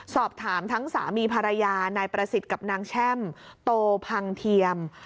สอบถามทั้งสามีภรรยานายประสิทธิ์กับนางแช่มโตพังเทียม